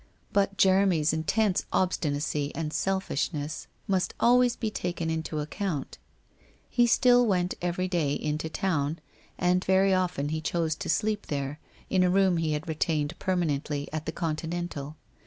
But Jeremy's intense obstinacy and selfish ness must always be taken into account. He still went every day into town, and very often he chose to sleep there in a room he had retained permanently at the Continental.